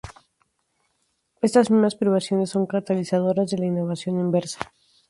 Estas mismas privaciones son catalizadores de la innovación inversa.